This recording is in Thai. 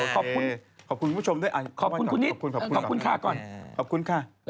ขอบคุณคุณผู้ชมด้วยก่อน